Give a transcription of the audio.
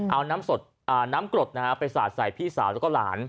เอาน้ำกรดไปสาดใส่พี่สาวแล้วก็หลาน